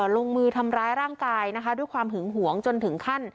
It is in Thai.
ลงมือทำร้ายร่างกายนะคะด้วยความหึงหวงจนถึงขั้น